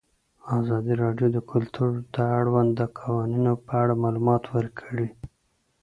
ازادي راډیو د کلتور د اړونده قوانینو په اړه معلومات ورکړي.